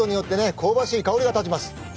香ばしい香りが立ちます。